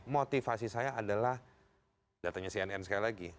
motivasi saya adalah datanya cnn sekali lagi